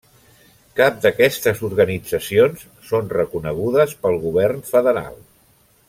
Cap d'aquestes organitzacions són reconegudes pel govern federal.